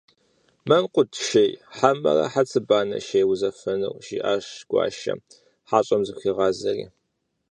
«Мэмкъут шей, хьэмэрэ хьэцыбанэ шей узэфэнур?» - жиӏащ Гуащэ, хьэщӏэм зыхуигъазэри.